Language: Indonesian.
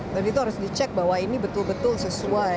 dan itu harus dicek bahwa ini betul betul sesuai